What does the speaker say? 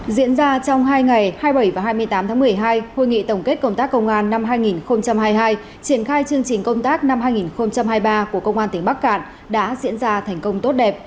diễn ra trong hai ngày hai mươi bảy và hai mươi tám tháng một mươi hai hội nghị tổng kết công tác công an năm hai nghìn hai mươi hai triển khai chương trình công tác năm hai nghìn hai mươi ba của công an tỉnh bắc cạn đã diễn ra thành công tốt đẹp